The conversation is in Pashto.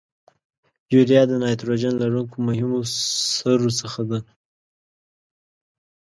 یوریا د نایتروجن لرونکو مهمو سرو څخه ده.